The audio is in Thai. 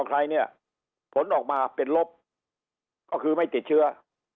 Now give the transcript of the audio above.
ใครเนี่ยผลออกมาเป็นลบก็คือไม่ติดเชื้อ